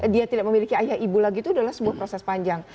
dia tidak memiliki ayah ibu lagi itu adalah sebuah proses panjang